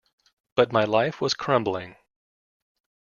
But my life was crumbling.